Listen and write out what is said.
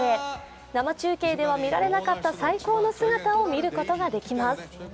生中継では見られなかった最高の姿を見ることができます。